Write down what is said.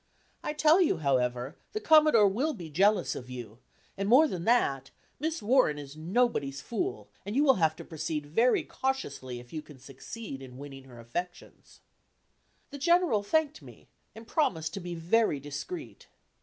I tell you, however, the Commodore will be jealous of you, and more than that, Miss Warren is nobody's fool, and you will have to proceed very cautiously if you can succeed in winning her affections." The General thanked me, and promised to be very discreet.